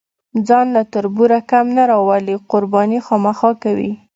ځان له تربوره کم نه راولي، قرباني خامخا کوي.